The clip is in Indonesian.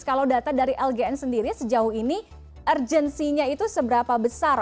kalau data dari lgn sendiri sejauh ini urgensinya itu seberapa besar